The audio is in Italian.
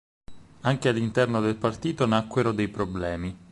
Anche all'interno del partito nacquero dei problemi.